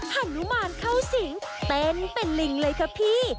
ฮานุมานเข้าสิงเต้นเป็นลิงเลยค่ะพี่